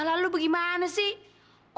lalu gimana sih